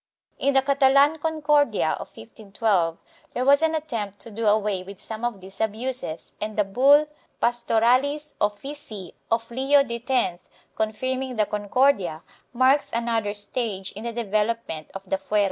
In the Catalan Concordia of 1512 there was an attempt to do away with some of these abuses and the bull Pastoralis officii of Leo X, confirming the Concordia, marks another stage in the development of the fuero.